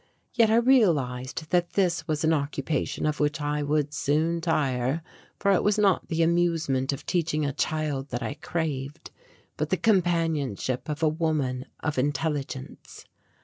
Yet I realized that this was an occupation of which I would soon tire, for it was not the amusement of teaching a child that I craved, but the companionship of a woman of intelligence.